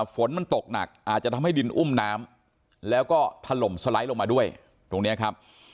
ฝนมันตกหนักอาจจะทำให้ดินอุ้มน้ำแล้วก็ถล่มสไลด์ลงมาด้วยตรงนี้ครับ